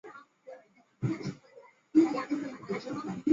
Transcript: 竹山淫羊藿为小檗科淫羊藿属下的一个种。